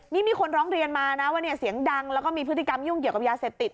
นี่มีคนร้องเรียนมานะว่าเนี่ยเสียงดังแล้วก็มีพฤติกรรมยุ่งเกี่ยวกับยาเสพติด